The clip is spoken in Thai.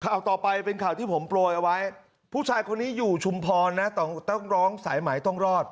ข่าวต่อไปเป็นข่าวที่ผมโปรยเอาไว้ผู้ชายคนนี้อยู่ชุมพรนะต้องร้องสายหมายต้องรอด